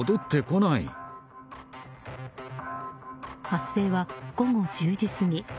発生は午後１０時過ぎ。